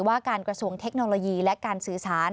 ว่าการกระทรวงเทคโนโลยีและการสื่อสาร